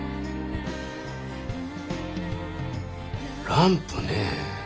ランプねえ。